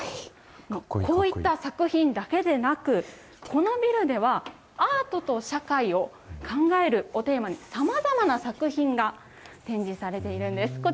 こういった作品だけでなく、このビルでは、アートと社会を考えるをテーマに、さまざまな作品が展示されているんです。